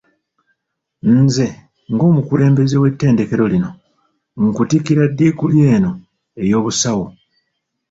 Nze, ng'omukulembeze w' ettendekero lino, nkutikkira diguli eno ey'Obusawo.